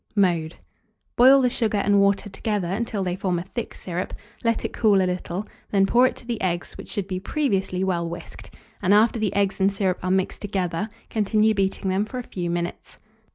Mode. Boil the sugar and water together until they form a thick syrup; let it cool a little, then pour it to the eggs, which should be previously well whisked; and after the eggs and syrup are mixed together, continue beating them for a few minutes.